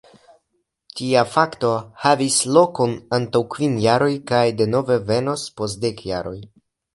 Tia fakto havis lokon antaŭ kvin jaroj kaj denove venos post dek jaroj.